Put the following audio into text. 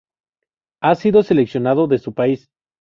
Ha sido seleccionado de su país.